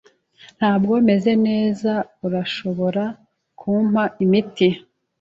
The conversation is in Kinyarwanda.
Ntabwo meze neza. Urashobora kumpa imiti?